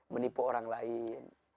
menipu orang lain